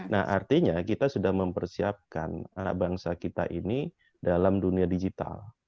nah artinya kita sudah mempersiapkan anak bangsa kita ini dalam dunia digital